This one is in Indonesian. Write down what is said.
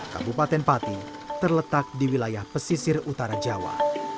kabupaten pati terletak di wilayah pesisir utara jawa